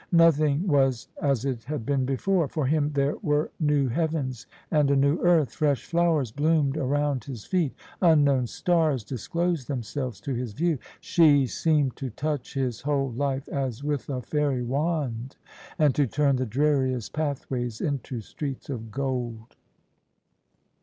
Nothing was as it had been before. For him there were new heavens and a new earth : fresh flowers bloomed around his feet — unknown stars disclosed themselves to his view. She seemed to touch his whole life as with a fairy wand, and to turn the dreariest pathways into streets of gold.